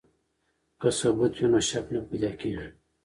که ثبوت وي نو شک نه پیدا کیږي.